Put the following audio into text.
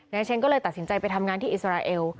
เชนก็เลยตัดสินใจไปทำงานที่อิสราเอล